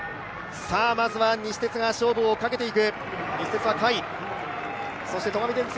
まずは西鉄が勝負をかけていく。